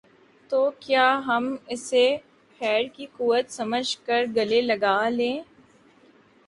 تو کیا ہم اسے خیر کی قوت سمجھ کر گلے لگا لیں گے؟